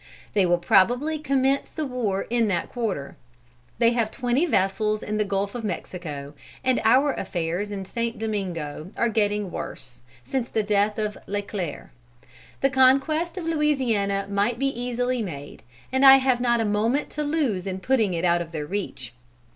"They will probably commence the war in that quarter. They have twenty vessels in the Gulf of Mexico, and our affairs in St. Domingo are daily getting worse, since the death of Le Clere. The conquest of Louisiana might be easily made, and I have not a moment to lose in putting it out of their reach.